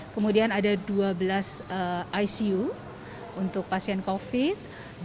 kemudian ada dua belas icu untuk pasien covid sembilan belas